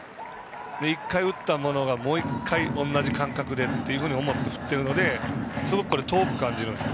１回打ったものともう１回同じ感覚でと思って振っているのですごく遠く感じるんです。